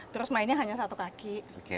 terus mainnya hanya satu kaki